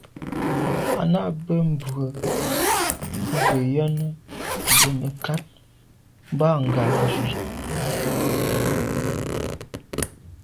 À’ nâ’ bə́ mbrə̀ bú gə ́yɑ́nə́ zə̀ mə̀kát mbâ ngɑ̀ zwí.